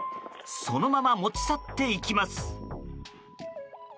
そのまま持ち去っていきます。